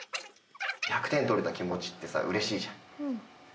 １００点取れた気持ちってうれしいじゃん。